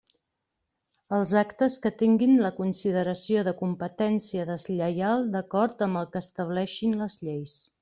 Els actes que tinguin la consideració de competència deslleial d'acord amb el que estableixin les lleis.